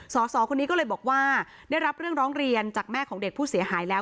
สสคนนี้ก็เลยบอกว่าได้รับเรื่องร้องเรียนจากแม่ของเด็กผู้เสียหายแล้ว